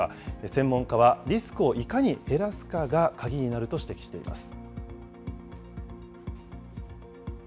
専門家はリスクをいかに減らすかが鍵になると指摘しています。